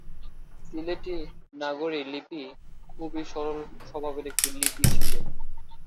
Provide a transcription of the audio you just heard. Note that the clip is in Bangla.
সিলেটি নাগরী লিপি খুবই সরল স্বভাবের একটি লিপি ছিল।